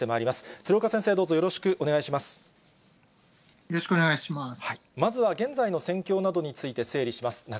まずは現在の戦況などについて整理します。